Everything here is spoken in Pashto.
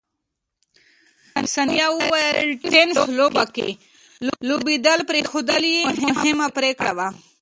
ثانیه وویل، ټېنس لوبو کې لوبېدل پرېښودل یې مهمه پرېکړه وه.